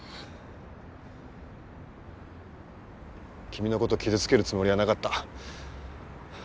君のこと傷つけるつもりはなかった。